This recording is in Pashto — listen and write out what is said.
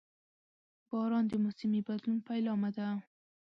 • باران د موسمي بدلون پیلامه ده.